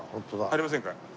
入りませんか？